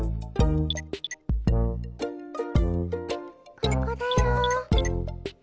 ここだよ。